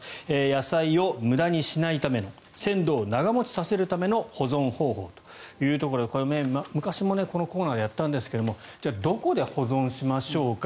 野菜を無駄にしないため鮮度を長持ちさせるための保存方法というところで昔もこのコーナーでやったんですがじゃあどこで保存しましょうか。